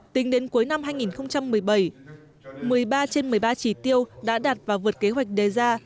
tính đến cuối năm hai nghìn một mươi bảy một mươi ba trên một mươi ba chỉ tiêu đã đạt và vượt kế hoạch đề ra